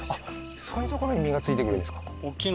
そういう所に実が付いてくるんですか